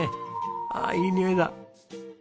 ああいいにおいだ。